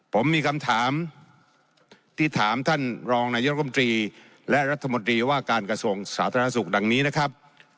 ผมมีคำถามที่ถามท่านรองนายกรรมตรีและรัฐมนตรีว่าการกระทรวงสาธารณสุขดังนี้นะครับ